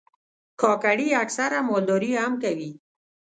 کاکړي اکثره مالداري هم کوي.